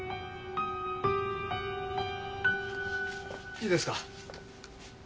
いいですか？